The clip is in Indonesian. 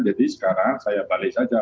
jadi sekarang saya balik saja